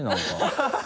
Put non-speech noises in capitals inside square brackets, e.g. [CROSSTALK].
ハハハ [LAUGHS]